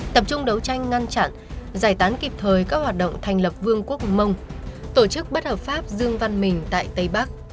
tập trung đấu tranh ngăn chặn giải tán kịp thời các hoạt động thành lập vương quốc mông tổ chức bất hợp pháp dương văn mình tại tây bắc